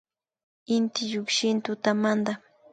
Inti llukshin tutamanta